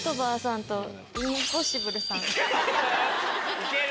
いける！